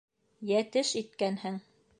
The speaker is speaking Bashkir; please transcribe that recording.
Йәтеш иткәнһең!